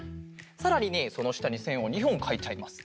さらにねそのしたにせんを２ほんかいちゃいます。